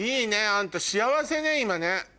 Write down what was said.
あんた幸せね今ね。